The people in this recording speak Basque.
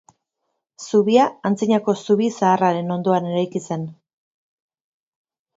Zubia, antzinako zubi zaharraren ondoan eraiki zen.